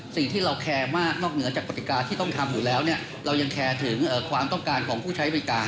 สิ่งที่เราแคร์มากจะต้องการของผู้ใช้บริการ